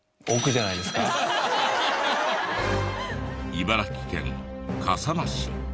茨城県笠間市。